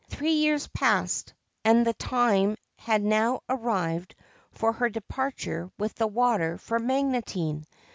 Three years passed, and the time had now arrived for her departure with the water for Magotine.